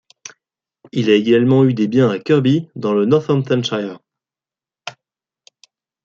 Il a également eu des biens à Kirby, dans le Northamptonshire.